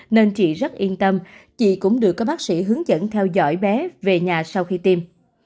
nên chị rất yên tâm chị cũng được các bác sĩ hướng dẫn theo dõi bé về nhà sau khi tiêm